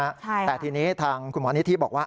แต่ทีนี้ทางคุณหมอนิธิบอกว่า